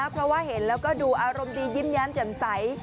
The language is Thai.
เพราะว่าเห็นแล้วก็ดูอารมณ์ดียิ้มแย้มแจ่มใส